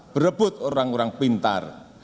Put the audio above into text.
berebut orang orang pintar